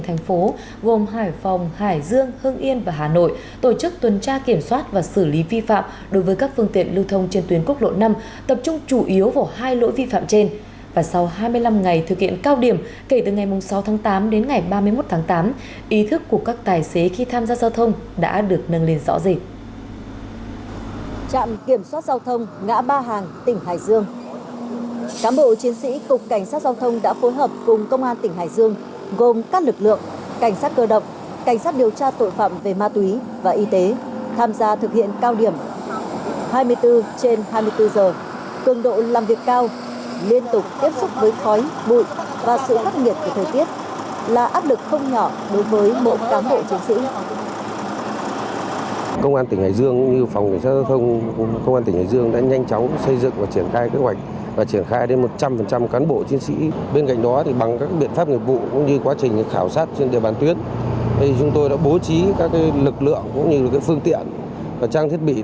hai mươi bốn trên hai mươi bốn giờ cường độ làm việc cao liên tục tiếp xúc với khói bụi và sự khắc nghiệt của thời tiết là áp lực không nhỏ đối với bộ cán bộ chiến sĩ